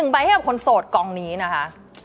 ใบให้กับคนโสดกองนี้นะคะ